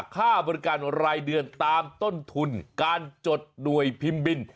ค่าบริการรายเดือนตามต้นทุนการจดหน่วยพิมพ์บิน